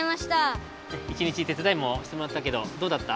１日てつだいもしてもらったけどどうだった？